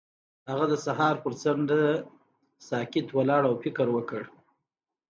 هغه د سهار پر څنډه ساکت ولاړ او فکر وکړ.